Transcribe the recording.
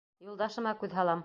Юлдашыма күҙ һалам.